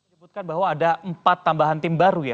menyebutkan bahwa ada empat tambahan tim baru ya